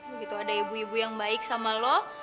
begitu ada ibu ibu yang baik sama lo